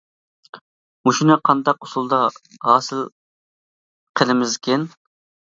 مۇشۇنى قانداق ئۇسۇلدا ھاسىل قىلىمىزكىن؟ !